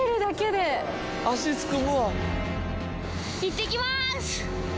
いってきます！